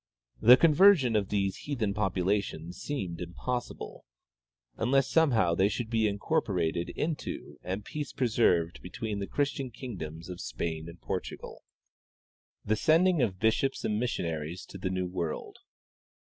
The conversion of these heathen popula tions seemed impossible, unless somehow they should be incor 204 W. E. Curtis — Pre Columbian, Vatican Documents. porated into and peace preserved between the Christian king doms of Spain and Portugal. "TAe Sending of Bishops and. Missionaries to the New World.